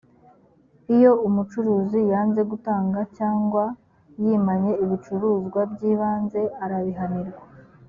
iyo umucuruzi yanze gutanga cyangwa yimanye ibicuruzwa by’ibanze, arabihanirwa